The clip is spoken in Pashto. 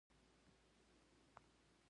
نیم نفوس په کور کینول تاوان دی.